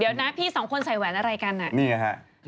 เดี๋ยวนะพี่สองคนใส่แหวนอะไรกัน